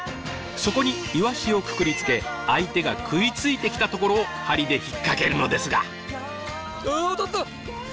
そこにイワシをくくりつけ相手が食いついてきたところを針で引っ掛けるのですが。